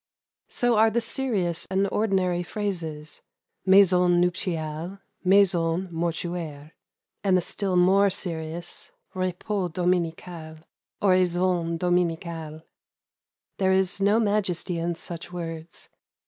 So are the serious and ordinary phrases, "maison nuptiale," "maison mortuaire," and the still more serious "repos dominical," "oraison dominicale." There is no majesty in such words.